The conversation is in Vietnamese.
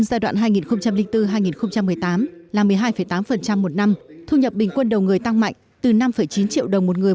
giai đoạn hai nghìn bốn hai nghìn một mươi tám là một mươi hai tám một năm thu nhập bình quân đầu người tăng mạnh từ năm chín triệu đồng một người